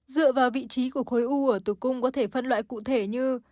dựa vào vị trí của khối u ở tử cung có thể phân loại cụ thể như